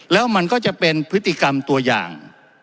แล้วมันก็จะเป็นพฤติกรรมตัวอย่าง